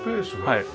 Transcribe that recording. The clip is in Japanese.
はい。